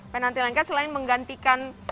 pen anti lengket selain menggantikan